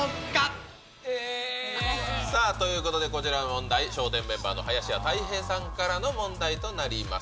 さあ、ということでこちらの問題、笑点メンバーの林家たい平さんからの問題となります。